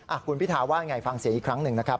คุณพิทาว่าไงฟังเสียงอีกครั้งหนึ่งนะครับ